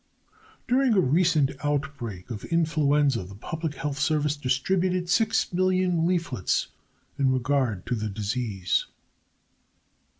During a recent outbreak of influenza the Public Health Service distributed 6,000,000 leaflets in regard to the disease.